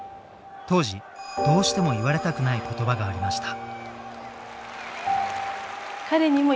当時どうしても言われたくない言葉がありました。